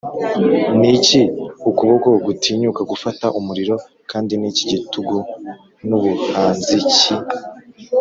niki ukuboko gutinyuka gufata umuriro? kandi niki gitugu, nubuhanzi ki,